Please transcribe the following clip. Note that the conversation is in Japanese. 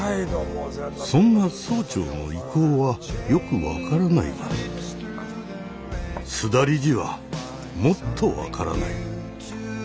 そんな総長の意向はよく分からないが須田理事はもっと分からない。